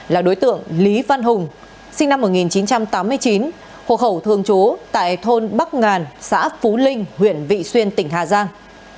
là đối tượng lý văn hùng sinh năm một nghìn chín trăm tám mươi chín hộ khẩu thường trú tại thôn bắc ngàn xã phú linh huyện vị xuyên tỉnh hà giang